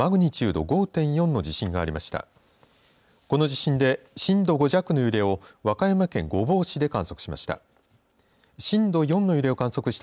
この地震で震度５弱の揺れを和歌山県御坊市で観測しました。